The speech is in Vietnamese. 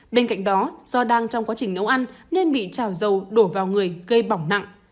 bên cạnh đó do đang trong quá trình nấu ăn nên bị trào dầu đổ vào người gây bỏng nặng